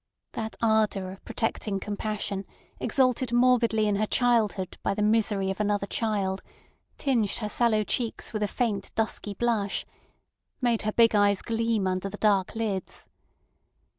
That ardour of protecting compassion exalted morbidly in her childhood by the misery of another child tinged her sallow cheeks with a faint dusky blush, made her big eyes gleam under the dark lids.